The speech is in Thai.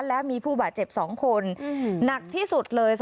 และมีผู้บาดเจ็บ๒คนหนักที่สุดเลย